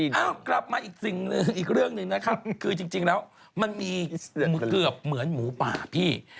โอเคอะกลับมาอีกเรื่องนึงนะครับคือจริงแล้วมันก็เหมือนมาหมูป่าพี่